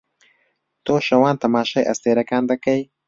تۆ شەوان تەماشای ئەستێرەکان دەکەی؟